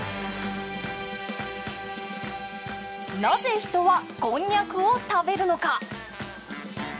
なぜ人はこんにゃくを食べるのか？